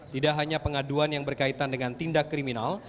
tidak hanya pengaduan yang berkaitan dengan tindak kriminal